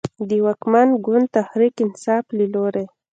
د واکمن ګوند تحریک انصاف له لورې